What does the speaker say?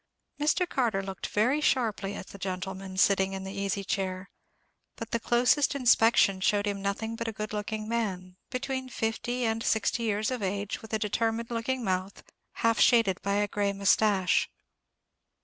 Mr. Carter looked very sharply at the gentleman sitting in the easy chair; but the closest inspection showed him nothing but a good looking man, between fifty and sixty years of age, with a determined looking mouth, half shaded by a grey moustache.